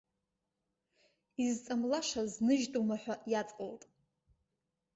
Изҵамлашаз ныжьтәума ҳәа иаҵалт.